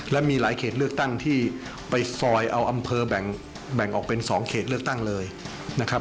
และมีหลายเขตเลือกตั้งที่ไปซอยเอาอำเภอแบ่งออกเป็น๒เขตเลือกตั้งเลยนะครับ